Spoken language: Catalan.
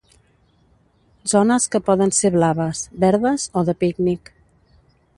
Zones que poden ser blaves, verdes o de pícnic.